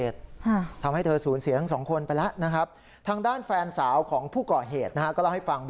ทางด้านแฟนสาวของผู้ก่อเหตุจะเล่าให้ฟังครับ